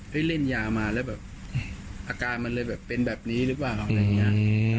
เฮ้ยเล่นยามาแล้วแบบอาการมันเลยเป็นแบบนี้หรือเปล่า